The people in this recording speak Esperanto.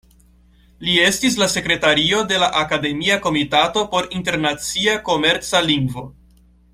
Li estis la sekretario de la Akademia Komitato por Internacia Komerca Lingvo.